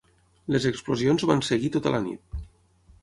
Les explosions van seguir tota la nit.